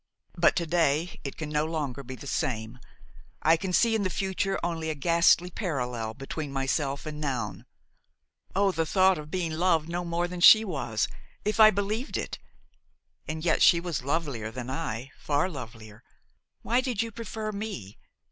But to day, it can no longer be the same; I can see in the future only a ghastly parallel between myself and Noun! Oh! the thought of being loved no more than she was! If I believed it! And yet she was lovelier than I, far lovelier! Why did you prefer me?